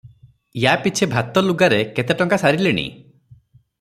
ୟା ପିଛେ ଭାତ ଲୁଗାରେ କେତେ ଟଙ୍କା ସାରିଲିଣି?